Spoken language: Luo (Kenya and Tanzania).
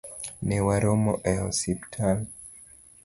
Newaromo e osiptal